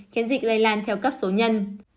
khiến dịch lây lan theo cấp số nhân